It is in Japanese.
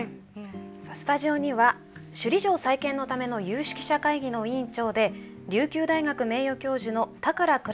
スタジオには首里城再建のための有識者会議の委員長で琉球大学名誉教授の高良倉吉さんにお越しいただいています。